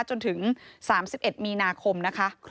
จนถึง๓๑มีนาคมนะคะ